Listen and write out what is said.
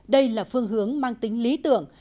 đây là phương hướng mang tính lý tưởng